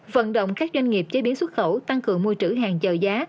vận động các doanh nghiệp chế biến xuất khẩu tăng cường môi trữ hàng chờ giá